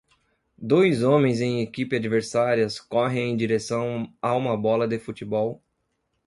Dois homens em equipes adversárias correm em direção a uma bola de futebol